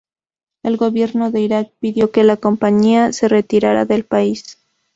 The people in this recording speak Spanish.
El gobierno de Irak pidió que la compañía se retirara del país.